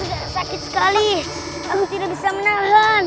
tujuan ini kayak dayanya lebih tinggi dari semuanya